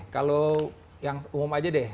kalau yang umum aja deh